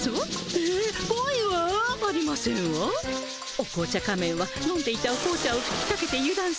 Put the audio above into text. お紅茶仮面は飲んでいたお紅茶をふきかけて油断させ